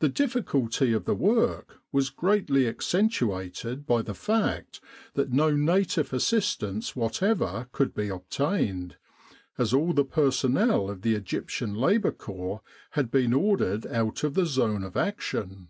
The difficulty of the work was greatly accentuated by the fact that no native assistance whatever could be obtained, as all the personnel of the Egyptian Labour Corps had been ordered out of the zone of action.